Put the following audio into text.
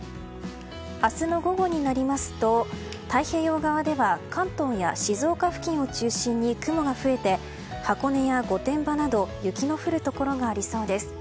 明日の午後になりますと太平洋側では関東や静岡付近を中心に雲が増えて、箱根や御殿場など雪の降るところがありそうです。